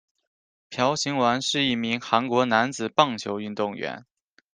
朴勍完是一名韩国男子棒球运动员。